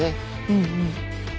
うんうん。